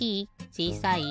ちいさい？